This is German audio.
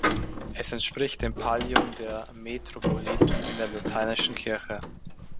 Es entspricht dem Pallium der Metropoliten in der lateinischen Kirche.